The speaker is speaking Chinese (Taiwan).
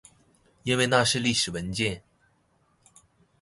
因為那是歷史文件